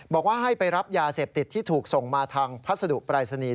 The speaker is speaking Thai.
บอกว่าให้ไปรับยาเสพติดที่ถูกส่งมาทางพัสดุปรายศนีย์